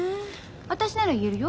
私なら言えるよ。